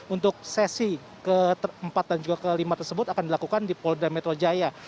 untuk sesi keempat dan juga kelima tersebut akan dilakukan di polda metro jaya